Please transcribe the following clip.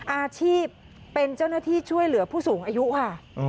อาชีพเป็นเจ้าหน้าที่ช่วยเหลือผู้สูงอายุค่ะ